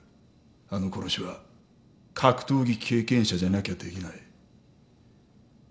あの殺しは格闘技経験者じゃなきゃできない。